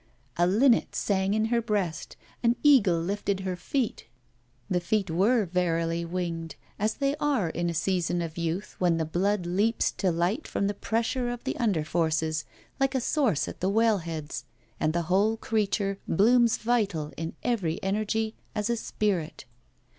A linnet sang in her breast, an eagle lifted her feet. The feet were verily winged, as they are in a season of youth when the blood leaps to light from the pressure of the under forces, like a source at the wellheads, and the whole creature blooms, vital in every energy as a spirit.